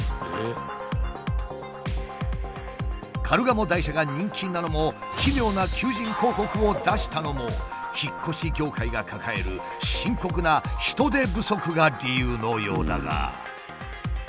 カルガモ台車が人気なのも奇妙な求人広告を出したのも引っ越し業界が抱える深刻な人手不足が理由のようだが。